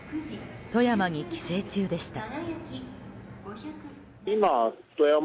富山に帰省中でした。